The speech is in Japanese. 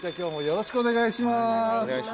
よろしくお願いします。